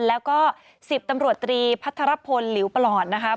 แล้วก็๑๐ตำรวจตรีพัฒนภพลิวปลอ่อนนะครับ